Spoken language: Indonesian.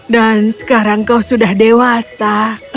dan sekarang kau sudah dewasa